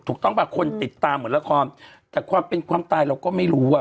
ถูกต้องป่ะคนติดตามเหมือนละครแต่ความเป็นความตายเราก็ไม่รู้อ่ะ